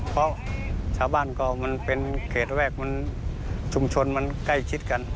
เพราะชาวบ้านก็เป็นเกรดแวกชุมชนมันใกล้คิดกัน